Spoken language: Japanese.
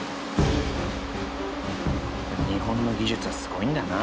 日本の技術はすごいんだな。